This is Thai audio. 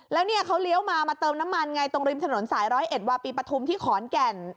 แล้วเขาเลี้ยวมาเติมน้ำมันไงตรงริมถนนสาย๑๐๑วาปีปภูมิที่ขอนแก่น